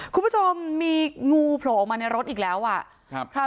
คุณผู้ชมมีงูโผล่ออกมาในรถอีกแล้วอ่ะ